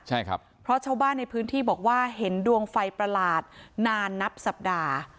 ใช่ครับเพราะชาวบ้านในพื้นที่บอกว่าเห็นดวงไฟประหลาดนานนับสัปดาห์